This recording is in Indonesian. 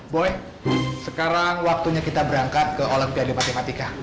boy sekarang waktunya kita berangkat ke olam piade matematika